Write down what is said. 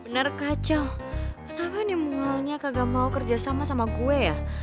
bener kacau kenapa nih mualnya kagak mau kerjasama sama gue ya